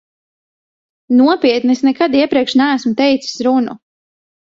Nopietni, es nekad iepriekš neesmu teicis runu.